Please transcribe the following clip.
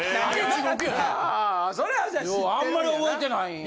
あんまり覚えてない。